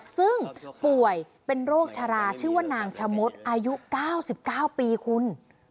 ซึ่งป่วยเป็นโรคชะลาชื่อว่านางชะมดอายุ๙๙ปีคุณ